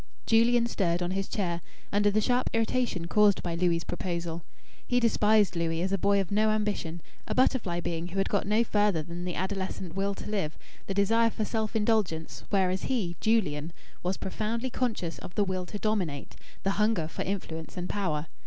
Julian stirred on his chair, under the sharp irritation caused by Louis' proposal. He despised Louis as a boy of no ambition a butterfly being who had got no farther than the adolescent will to live, the desire for self indulgence, whereas he, Julian, was profoundly conscious of the will to dominate, the hunger for influence and power.